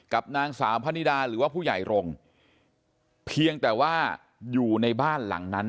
กับนางสาวพะนิดาหรือว่าผู้ใหญ่รงค์เพียงแต่ว่าอยู่ในบ้านหลังนั้น